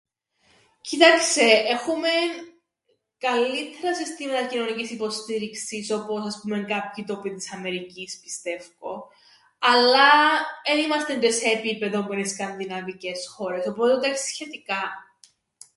Κοίταξε, έχουμεν καλλύττερα συστήματα κοινωνικής υποστήριξης όπως ας πούμεν κάποιοι τόποι της Αμερικής πιστεύκω, αλλά εν είμαστεν τζ̌αι σε επίπεδον που εν οι Σκανδιναβικές χώρες, οπότε εντάξει σχετικά.